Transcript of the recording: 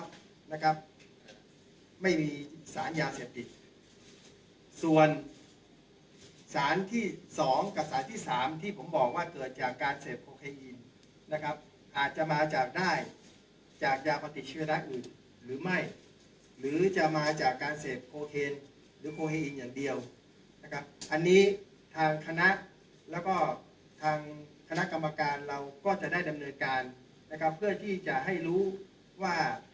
นะครับไม่มีสารยาเสพติดส่วนสารที่สองกับสารที่สามที่ผมบอกว่าเกิดจากการเสพโคเฮยินนะครับอาจจะมาจากได้จากยาพอติดเชื้อด้านอื่นหรือไม่หรือจะมาจากการเสพโคเฮนหรือโคเฮีนอย่างเดียวนะครับอันนี้ทางคณะแล้วก็ทางคณะกรรมการเราก็จะได้ดำเนินการนะครับเพื่อที่จะให้รู้ว่า